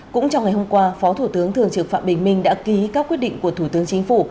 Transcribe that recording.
cũng trong ngày hôm qua phó thủ tướng thường trực phạm bình minh đã ký các quyết định của thủ tướng chính phủ